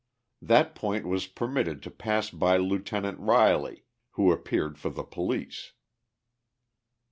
That point was permitted to pass by Lieutenant Riley, who appeared for the police.